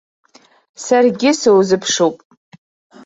Саргьы сузыԥшуп.